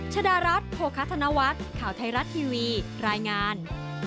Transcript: ชะดารัตรโฆษณวัตต์ข่าวไทยรัฐทีวีรายงาน